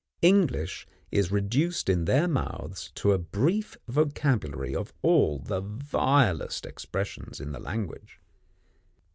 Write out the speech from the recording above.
English is reduced in their mouths to a brief vocabulary of all the vilest expressions in the language.